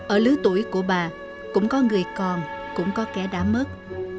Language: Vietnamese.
ở lứa tuổi của bà cũng có người còn cũng có kẻ đã mất